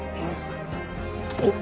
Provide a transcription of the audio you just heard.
おっ！